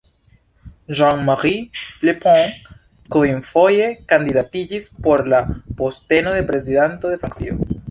Jean-Marie Le Pen kvinfoje kandidatiĝis por la posteno de Prezidanto de Francio.